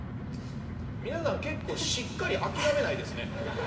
皆さん結構しっかり諦めないですね。